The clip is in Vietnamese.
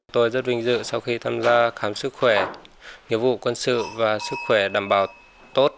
tôi rất vinh dự sau khi tham gia khám sức khỏe nghiệp vụ quân sự và sức khỏe đảm bảo tốt